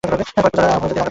কয়েক প্রজাতির আগাছা